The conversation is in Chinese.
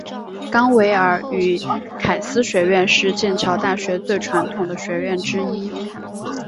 冈维尔与凯斯学院是剑桥大学最传统的学院之一。